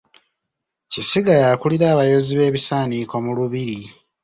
Kisiga y'akulira abayoozi b’ebisaaniiko mu Lubiri.